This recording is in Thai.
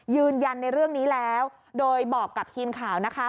ยืนยันในเรื่องนี้แล้วโดยบอกกับทีมข่าวนะคะ